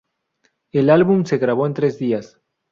El álbum se grabó en tres días.